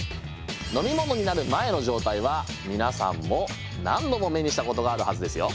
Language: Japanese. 飲み物になる前の状態は皆さんも何度も目にしたことがあるはずですよ。